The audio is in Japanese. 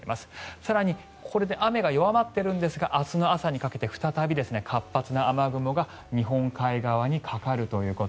更にこれで雨が弱まっているんですが明日の朝にかけて再び活発な雨雲が日本海側にかかるということ。